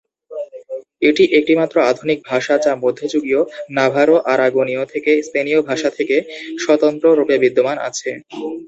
এটি একমাত্র আধুনিক ভাষা যা মধ্যযুগীয় নাভারো-আরাগোনীয় থেকে স্পেনীয় ভাষা থেকে স্বতন্ত্র রূপে বিদ্যমান আছে।